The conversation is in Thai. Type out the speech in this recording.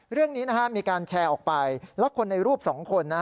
เรื่องนี้นะฮะมีการแชร์ออกไปแล้วคนในรูปสองคนนะ